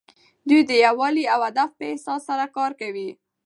دوی د یووالي او هدف په احساس سره کار کوي.